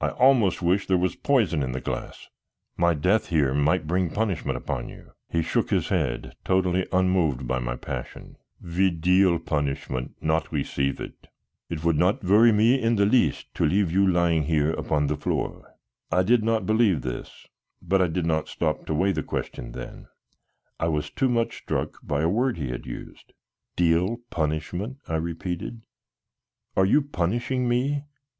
I almost wish there was poison in the glass. My death here might bring punishment upon you." He shook his head, totally unmoved by my passion. "We deal punishment, not receive it. It would not worry me in the least to leave you lying here upon the floor." I did not believe this, but I did not stop to weigh the question then; I was too much struck by a word he had used. "Deal punishment?" I repeated. "Are you punishing me?